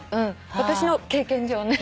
私の経験上ね。